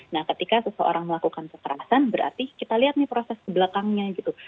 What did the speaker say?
nah ketika seseorang melakukan kekerasan berarti kita lihat nih proses kebelakangnya gitu